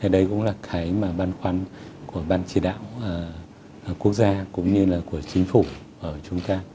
đây cũng là cái mà băn khoăn của ban chỉ đạo quốc gia cũng như là của chính phủ ở chúng ta